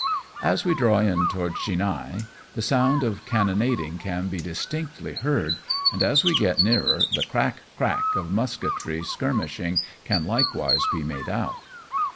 As we draw in towards Chinhae, the sound of can nonading can be distinctly heard, and as we get nearer, the crack, crack of musketry skirmishing can likewise be made out.